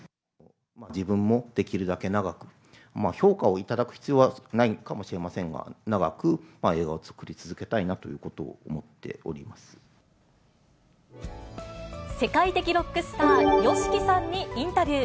自分もできるだけ長く、評価をいただく必要はないかもしれませんが、長く映画を作り続けたいなと世界的ロックスター、ＹＯＳＨＩＫＩさんにインタビュー。